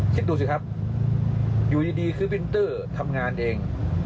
คิดดูสิครับอยู่ดีคือวินเตอร์ทำงานเอง